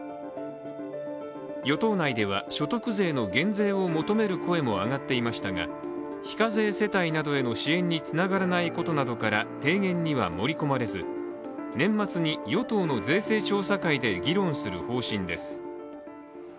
与党内では所得税の減税を求める声も上がっていましたが非課税世帯などへの支援につながらないことから提言には盛り込まれず、年末に与党の税制調査会で議論する方針です。